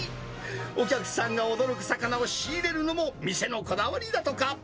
お客さんが驚く魚を仕入れるのも店のこだわりだとか。